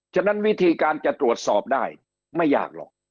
ฉะนั้นวิธีการจะตรวจสอบได้ไม่ยากหรอก